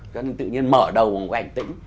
cho nên tự nhiên mở đầu một ảnh tĩnh